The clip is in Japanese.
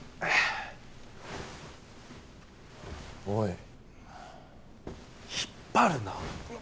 おい引っ張るな！